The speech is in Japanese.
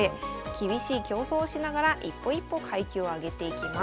厳しい競争をしながら一歩一歩階級を上げていきます。